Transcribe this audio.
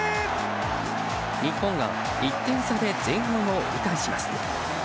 日本が１点差で前半を折り返します。